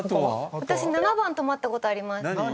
私７番泊まったことあります。